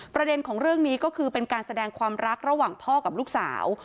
ประเด็นของเรื่องนี้ก็คือเป็นการแสดงความรักระหว่างพ่อกับลูกสาว